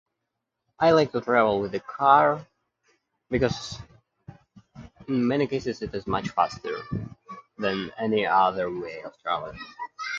I like to travel with a car, because in many places it is much faster than any other way of traveling.